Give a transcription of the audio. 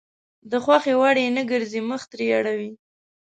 د خوښې وړ يې نه ګرځي مخ ترې اړوي.